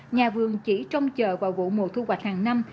nhà vườn chỉ trông chờ vào vụ mùa thu hoạch hàng năm